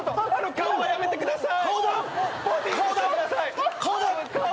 顔はやめてください！